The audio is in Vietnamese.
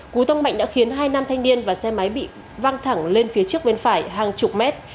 cú tông mạnh đã khiến hai nam thanh niên và xe máy bị văng thẳng lên phía trước bên phải hàng chục mét